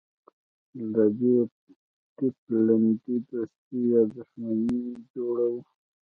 له دې ډلبندۍ دوستي یا دښمني جوړوو.